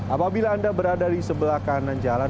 apabila anda berada di sebelah kanan jalan